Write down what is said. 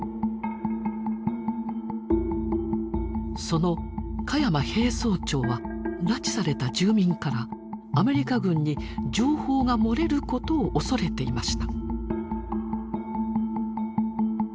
その鹿山兵曹長は拉致された住民からアメリカ軍に情報が漏れることを恐れていました。